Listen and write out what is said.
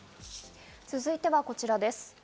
続いてはこちらです。